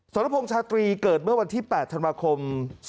สรพงษ์ชาตรีเกิดเมื่อวันที่๘ธันวาคม๒๕๖